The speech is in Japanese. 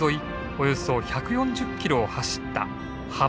およそ１４０キロを走った羽幌線。